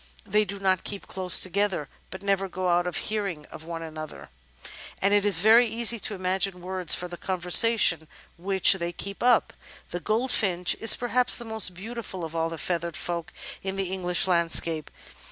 They do not keep close together, but never go out of hearing of one another. Natural History 419 and it is very easy to imagine words, for the conversation which they keep up. The Goldfinch is perhaps the most beautiful of all the feathered folk in the English landscape.